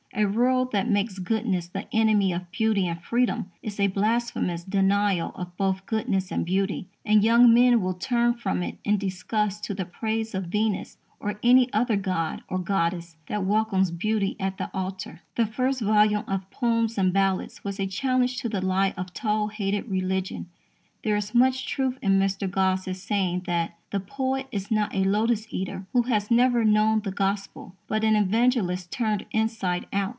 A world that makes goodness the enemy of beauty and freedom is a blasphemous denial of both goodness and beauty, and young men will turn from it in disgust to the praise of Venus or any other god or goddess that welcomes beauty at the altar. The first volume of Poems and Ballads was a challenge to the lie of tall hatted religion. There is much truth in Mr. Gosse's saying that "the poet is not a lotus eater who has never known the Gospel, but an evangelist turned inside out."